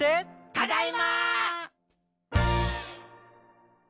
「ただいま！」